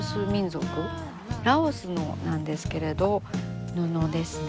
ラオスのなんですけれど布ですね。